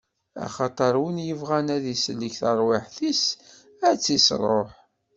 Axaṭer win yebɣan ad isellek taṛwiḥt-is ad tt-isṛuḥ.